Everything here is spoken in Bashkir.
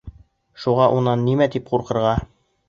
Шуға унан нимә тип ҡурҡырға.